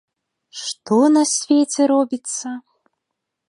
Што на свеце робіцца!